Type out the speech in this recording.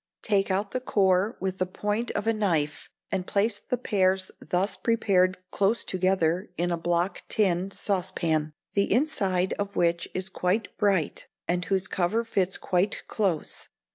Take out the core with the point of a knife, and place the pears thus prepared close together in a block tin saucepan, the inside of which is quite bright, and whose cover fits quite close.